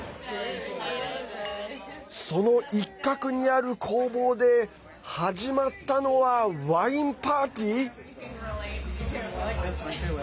その一角にある工房で始まったのはワインパーティー？